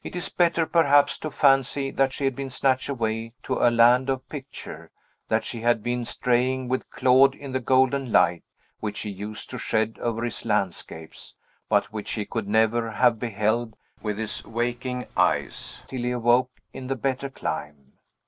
It is better, perhaps, to fancy that she had been snatched away to a land of picture; that she had been straying with Claude in the golden light which he used to shed over his landscapes, but which he could never have beheld with his waking eyes till he awoke in the better clime.